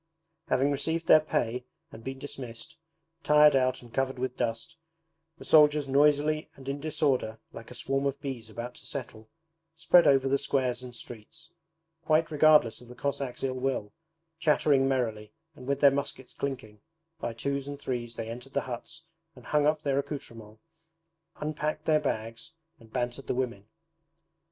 Having received their pay and been dismissed, tired out and covered with dust, the soldiers noisily and in disorder, like a swarm of bees about to settle, spread over the squares and streets; quite regardless of the Cossacks' ill will, chattering merrily and with their muskets clinking, by twos and threes they entered the huts and hung up their accoutrements, unpacked their bags, and bantered the women.